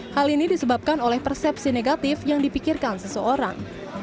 hal ini disebabkan oleh persepsi negatif yang dipikirkan seseorang